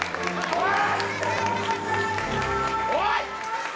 おい！